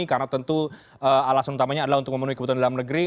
karena tentu alasan utamanya adalah untuk memenuhi kebutuhan dalam negeri